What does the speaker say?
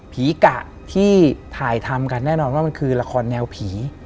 กะที่ถ่ายทำกันแน่นอนว่ามันคือละครแนวผี